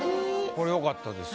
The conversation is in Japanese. これよかったです。